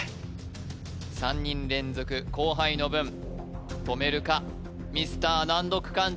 ３人連続後輩の分止めるかミスター難読漢字